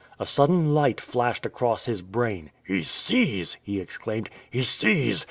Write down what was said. A sudden light flashed across his brain. "He sees!" he exclaimed, "he sees!"